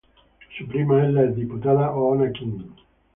Su prima es la ex-diputada Oona King.